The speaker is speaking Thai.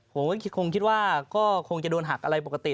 ผมก็คงคิดว่าก็คงจะโดนหักอะไรปกติ